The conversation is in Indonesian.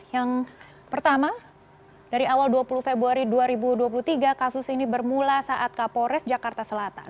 yang pertama dari awal dua puluh februari dua ribu dua puluh tiga kasus ini bermula saat kapolres jakarta selatan